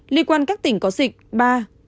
liên quan các tỉnh có dịch ba